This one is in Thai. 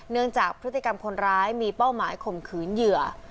จากพฤติกรรมคนร้ายมีเป้าหมายข่มขืนเหยื่อ